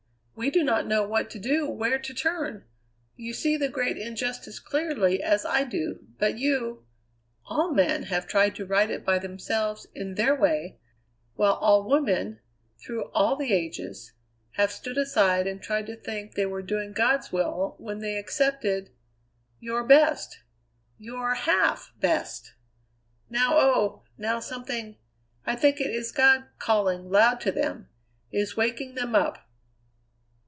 We do not know what to do, where to turn. You see the great injustice clearly as I do; but you all men have tried to right it by themselves, in their way, while all women, through all the ages, have stood aside and tried to think they were doing God's will when they accepted your best; your half best! Now, oh! now something I think it is God calling loud to them is waking them up.